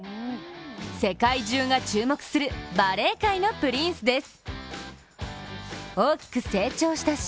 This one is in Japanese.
世界中が注目するバレー界のプリンスです。